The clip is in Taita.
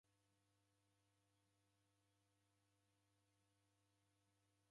Polisi ndew'iw'adie icho kidoi.